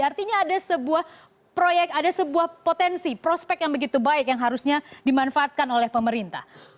artinya ada sebuah proyek ada sebuah potensi prospek yang begitu baik yang harusnya dimanfaatkan oleh pemerintah